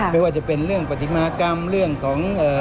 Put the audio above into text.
ไม่ว่าจะเป็นเรื่องปฏิมากรรมเรื่องของ